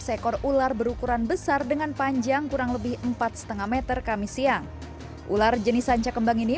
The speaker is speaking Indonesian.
seekor ular berukuran besar dengan panjang kurang lebih empat lima meter kami siang ular jenis sanca kembang ini